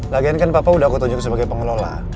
lagian kan papa udah aku tunjuk sebagai pengelola